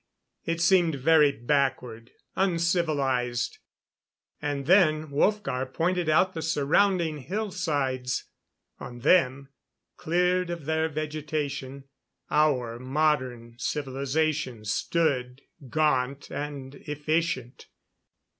It seemed very backward uncivilized. And then Wolfgar pointed out the surrounding hillsides. On them, cleared of their vegetation, our modern civilization stood gaunt and efficient.